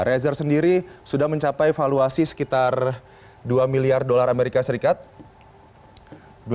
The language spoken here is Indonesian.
razer sendiri sudah mencapai valuasi sekitar dua miliar usd